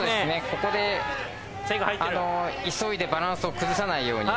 ここで急いでバランスを崩さないように。